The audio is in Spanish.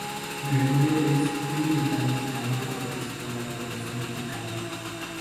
Gregorio Ruiz fue un militar mexicano que participó en la Revolución mexicana.